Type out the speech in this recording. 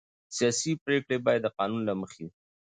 سیاسي پرېکړې باید د قانون له مخې وي